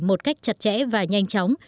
một cách chặt chẽ và nhanh chóng